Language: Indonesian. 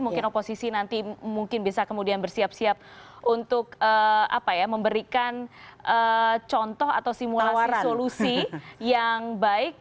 mungkin oposisi nanti mungkin bisa kemudian bersiap siap untuk memberikan contoh atau simulasi solusi yang baik